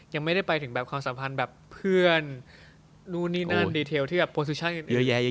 ยังไม่ได้ไปถึงสัมพันธ์เพื่อนดีเทลที่มีตัววิจัยเยอะ